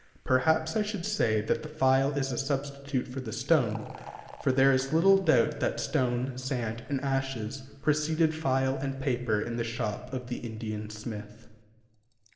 Perhaps I should say that the file is a substitute for the stone, for there is little doubt that stone, sand, and ashes preceded file and paper in the shop of the Indian smith.